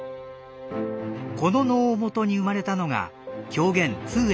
この能をもとに生まれたのが狂言「通圓」です。